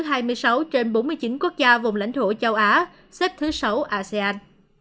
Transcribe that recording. tử vong trên bốn mươi chín quốc gia vùng lãnh thổ châu á xếp thứ sáu asean